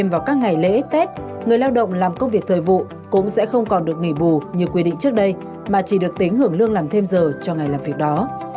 vào các ngày lễ tết người lao động làm công việc thời vụ cũng sẽ không còn được nghỉ bù như quy định trước đây mà chỉ được tính hưởng lương làm thêm giờ cho ngày làm việc đó